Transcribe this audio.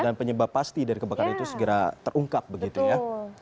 dan penyebab pasti dari kebakaran itu segera terungkap begitu ya